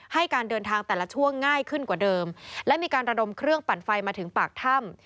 ให้การเดินทางแต่ละช่วงง่ายขึ้นกว่าเดิมและมีการระดมเครื่องปั่นไฟมาถึงปากถ้ำ